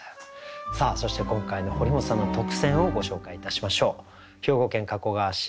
さあそして今回の堀本さんの特選をご紹介いたしましょう。